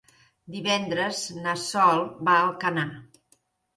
Divendres na Sol va a Alcanar.